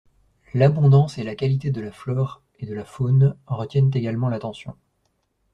L'abondance et la qualité de la flore et de la faune retiennent également l'attention.